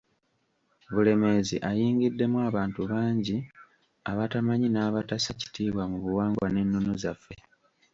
Bulemeezi ayingiddemu abantu bangi abatamanyi n’abatassa kitiibwa mu buwangwa n’ennono zaffe.